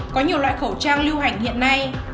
có nhiều loại khẩu trang lưu hành hiện nay